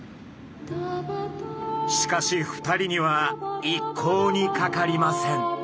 しかし２人には一向にかかりません。